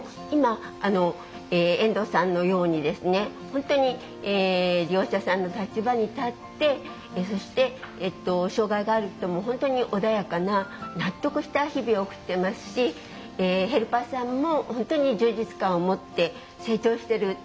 本当に利用者さんの立場に立ってそして障害がある人も本当に穏やかな納得した日々を送ってますしヘルパーさんも本当に充実感を持って成長してる。